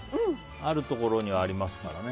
あるところにはありますからね。